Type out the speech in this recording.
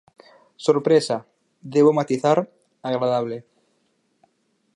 Sorpresa, debo matizar, agradable.